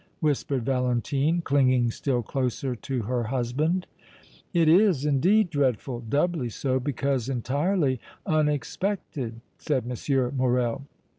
whispered Valentine, clinging still closer to her husband. "It is, indeed, dreadful; doubly so because entirely unexpected," said M. Morrel.